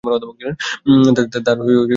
তার দুই সন্তান রয়েছে।